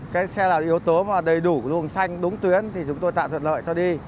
cái xe là yếu tố mà đầy đủ luồng xanh đúng tuyến thì chúng tôi tạo thuận lợi cho đi